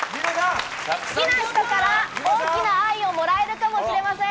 好きな人から大きな愛をもらえるかもしれません。